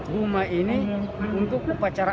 guma ini untuk